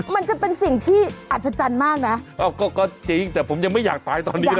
มันจะเป็นสิ่งที่อัศจรรย์มากนะอ้าวก็ก็จริงแต่ผมยังไม่อยากตายตอนนี้นะ